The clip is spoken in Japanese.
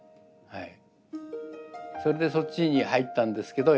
それでそっちに入ったんですけど